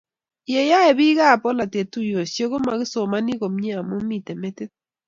Ye yae biikab bolatet tuyosiek ko makisomani komie amu mitei metit